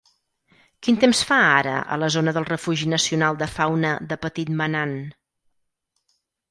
Quin temps fa ara a la zona del refugi nacional de fauna de Petit Manan?